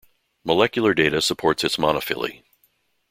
Molecular data supports its monophyly.